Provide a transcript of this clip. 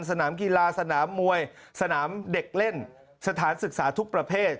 สนามกีฬาสนามมวยสนามเด็กเล่นสถานศึกษาทุกประเภท